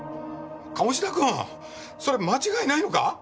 鴨志田君それは間違いないのか？